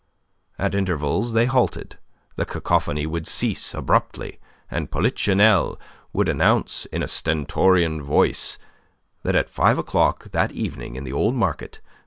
At intervals they halted, the cacophony would cease abruptly, and Polichinelle would announce in a stentorian voice that at five o'clock that evening in the old market, M.